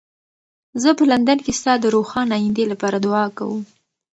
زه په لندن کې ستا د روښانه ایندې لپاره دعا کوم.